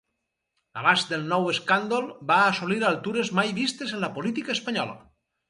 L'abast del nou escàndol va assolir altures mai vistes en la política espanyola.